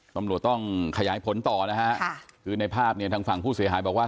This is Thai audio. ตำรวจต้องขยายผลต่อนะฮะคือในภาพเนี่ยทางฝั่งผู้เสียหายบอกว่า